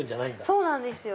そうなんですよ。